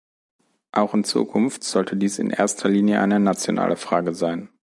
Auch in Zukunft sollte dies in erster Linie eine nationale Frage sein.